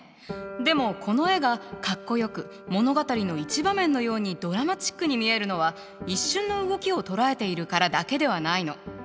でもこの絵がかっこよく物語の一場面のようにドラマチックに見えるのは一瞬の動きを捉えているからだけではないの。